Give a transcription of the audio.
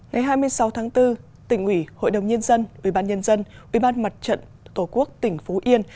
ngày hai mươi sáu tháng bốn tỉnh ủy hội đồng nhân dân ubnd ubnd mặt trận tổ quốc tỉnh phú yên